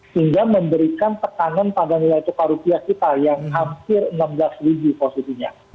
sehingga memberikan pertanganan pada nilai tukar rupiah kita yang hampir enam belas positinya